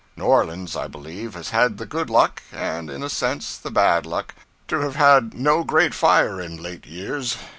New Orleans, I believe, has had the good luck and in a sense the bad luck to have had no great fire in late years.